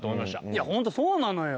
いやホントそうなのよ。